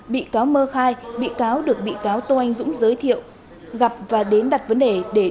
bị cáo mơ khai bị cáo được bị cáo tô anh dũng giới thiệu gặp và đến đặt vấn đề